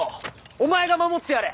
お前が守ってやれ。